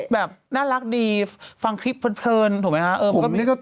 แบบน่ารักดีฟังคลิปเพลินถูกไหมคะ